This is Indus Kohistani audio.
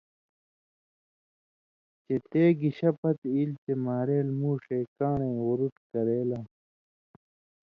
چے تے گِشے پتہۡ اِیلیۡ چے مارېل موݜے کان٘ڑئ غرُٹ کرے لان٘س۔